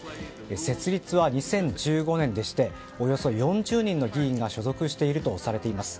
設立は２０１５年でしておよそ４０人の議員が所属しているとされています。